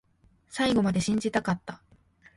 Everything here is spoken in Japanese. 最後まで信じたかった